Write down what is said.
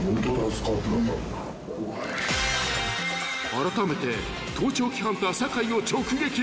［あらためて盗聴器ハンター酒井を直撃］